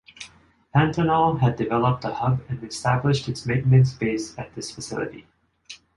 Pantanal had developed a hub and established its maintenance base at this facility.